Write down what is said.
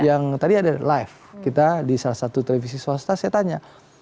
yang tadi ada live kita di salah satu televisi swasta saya tanya